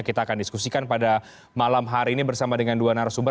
kita akan diskusikan pada malam hari ini bersama dengan dua narasumber